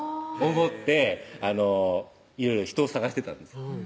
想っていろいろ人を探してたんです